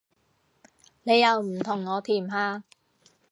你又唔同我甜下